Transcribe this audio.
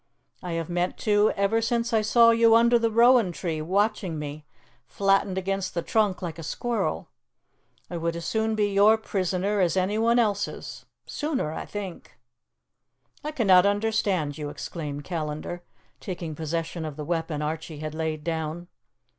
"I have meant to ever since I saw you under the rowan tree watching me, flattened against the trunk like a squirrel. I would as soon be your prisoner as anyone else's sooner, I think." "I cannot understand you!" exclaimed Callandar, taking possession of the weapon Archie had laid down.